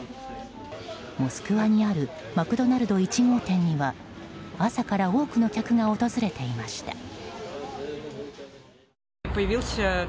モスクワにあるマクドナルド１号店には朝から多くの客が訪れていました。